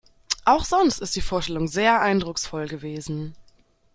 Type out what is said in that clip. Auch sonst ist die Vorstellung sehr eindrucksvoll gewesen.